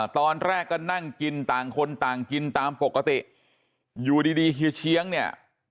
ตอนแรกก็นั่งกินต่างคนต่างกินตามปกติอยู่ดีดีเฮียเชียงเนี่ย